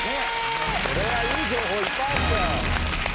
これはいい情報いっぱいあったよ。